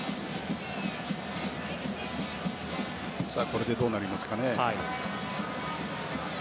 これで、どうなりますかね。